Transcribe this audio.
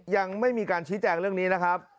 ยังไม่มีการชี้แจงเรื่องนี้นะครับ